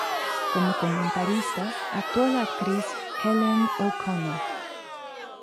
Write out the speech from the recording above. Como comentarista, actuó la actriz Helen O'Connell.